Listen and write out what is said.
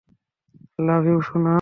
লাভ you, সোনা!